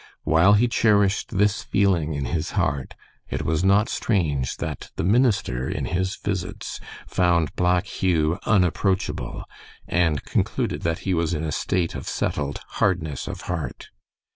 While he cherished this feeling in his heart, it was not strange that the minister in his visits found Black Hugh unapproachable, and concluded that he was in a state of settled "hardness of heart."